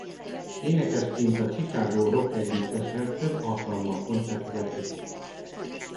Énekesként a Chicago rockegyüttessel több alkalommal koncertezett együtt.